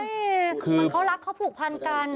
เหมือนเขารักเขาผูกพันกัน